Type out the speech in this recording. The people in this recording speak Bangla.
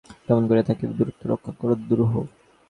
এমন করিয়া কাছে থাকিয়া দূরত্ব রক্ষা করা দুরূহ।